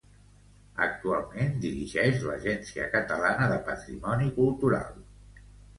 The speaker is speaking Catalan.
Actualment dirigix l'Agència Catalana de Patrimoni Cultural.